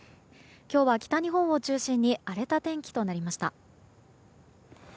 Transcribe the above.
今日は北日本を中心に荒れた天気となりました。